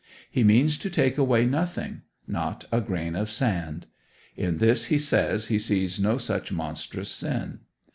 He means to take away nothing not a grain of sand. In this he says he sees no such monstrous sin.